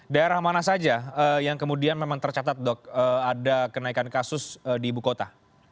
daerah mana saja yang kemudian memang tercatat dok ada kenaikan kasus di ibu kota